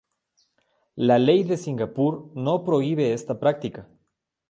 La ley de Singapur no prohíbe esta práctica.